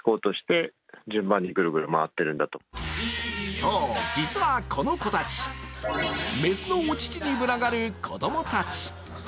そう、実はこの子たち雌のお乳に群がる子供たち。